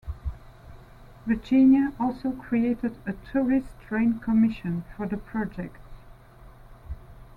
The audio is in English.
Virginia also created a "Tourist Train Commission," for the project.